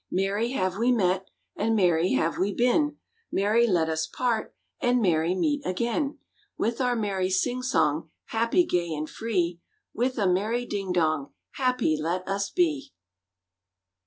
Merry have we met, and merry have we been; Merry let us part, and merry meet again; With our merry sing song, happy, gay, and free, With a merry ding dong, happy let us be!